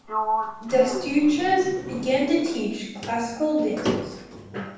Destouches began to teach classical dance.